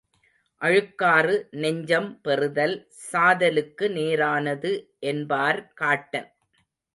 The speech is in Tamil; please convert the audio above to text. அழுக்காறு நெஞ்சம் பெறுதல் சாதலுக்கு நேரானது என்பார் காட்டன்.